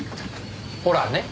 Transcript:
ほらね。